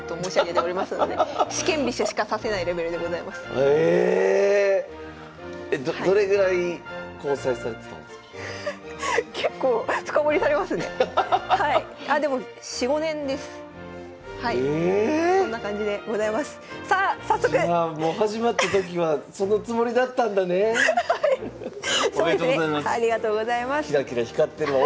おめでとうございます。